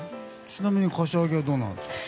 ちなみに柏木はどうなんですか？